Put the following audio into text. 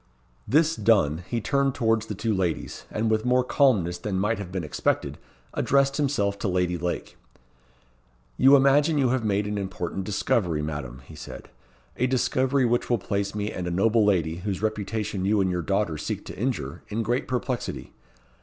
This done, he turned towards the two ladies, and with more calmness than might have been expected, addressed himself to Lady Lake: "You imagine you have made an important discovery, Madam," he said; "a discovery which will place me and a noble lady, whose reputation you and your daughter seek to injure, in great perplexity.